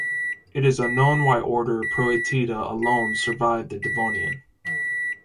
It is unknown why order Proetida alone survived the Devonian.